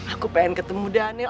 aku pengen ketemu daniel